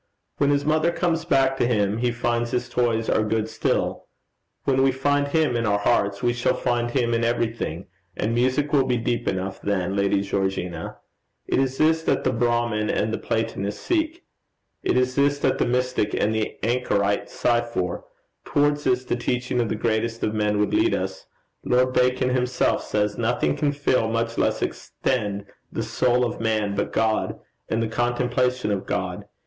When his mother comes back to him he finds his toys are good still. When we find Him in our own hearts, we shall find him in everything, and music will be deep enough then, Lady Georgina. It is this that the Brahmin and the Platonist seek; it is this that the mystic and the anchorite sigh for; towards this the teaching of the greatest of men would lead us: Lord Bacon himself says, "Nothing can fill, much less extend the soul of man, but God, and the contemplation of God."